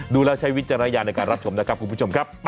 ดูแล้วใช้วิจารณญาณในการรับชมนะครับคุณผู้ชมครับ